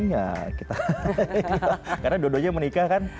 karena dua duanya menikah kan